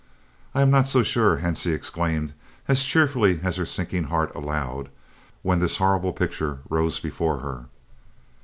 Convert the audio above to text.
"I am not so sure," Hansie exclaimed, as cheerfully as her sinking heart allowed, when this horrible picture rose before her.